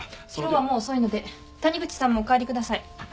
今日はもう遅いので谷口さんもお帰りください。